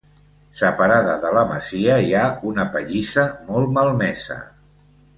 Separada de la masia hi ha una pallissa molt malmesa.